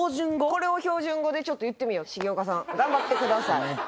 これを標準語でちょっと言ってみよう重岡さん頑張ってください